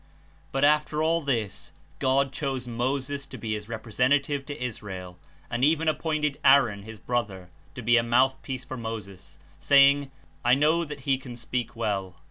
But, after all this, God chose Moses to be his rep resentative to Israel, and even appointed Aaron his brother to be a mouthpiece for Moses, saying, ''I know that he can speak well."